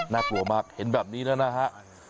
น่ากลัวมากเห็นแบบนี้แล้วนะฮะ